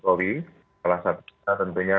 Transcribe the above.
kuwi salah satu tentunya